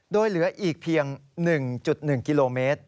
โดยเหลืออีกเพียง๑๑กิโลเมตร